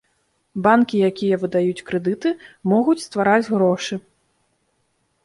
Банкі, якія выдаюць крэдыты, могуць ствараць грошы.